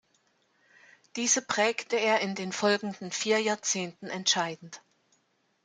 Diese prägte er in den folgenden vier Jahrzehnten entscheidend.